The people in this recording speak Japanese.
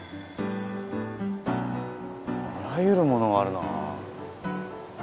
あらゆるものがあるな。